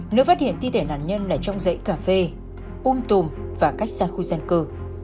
nơi phát hiện thi thể nạn nhân là trong dãy cà phê ung tùm và cách xa khu gian cơ